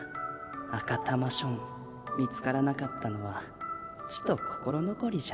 アカタマション見つからなかったのはちと心のこりじゃ。